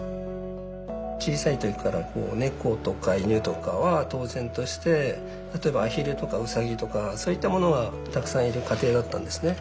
小さい時から猫とか犬とかは当然として例えばアヒルとかウサギとかそういったものがたくさんいる家庭だったんですね。